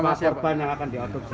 berapa serban yang akan diotopsi